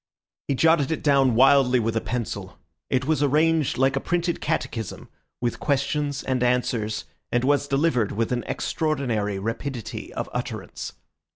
He jotted it down wildly with a pencil. It was arranged like a printed catechism, with questions and answers, and was delivered with an extraordinary rapidity of utterance.